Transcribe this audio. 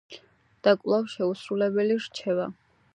აშუქებდა კავკასიის მუშათა მოძრაობის აქტუალურ საკითხებს.